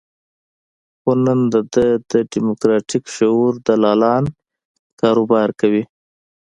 خو نن د ده د دیموکراتیک شعور دلالان کاروبار کوي.